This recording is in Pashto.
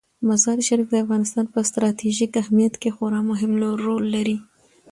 مزارشریف د افغانستان په ستراتیژیک اهمیت کې خورا مهم رول لري.